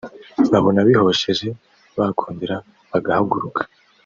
babona bihosheje bakongera bagahaguruka